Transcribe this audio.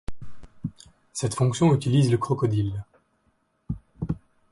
Cette fonction utilise le crocodile.